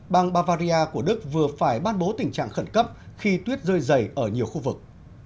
bang bavaria của đức vừa phải ban bố tình trạng khẩn cấp khi tuyết rơi dày ở nhiều khu vực